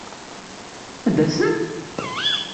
Ad d-tasem?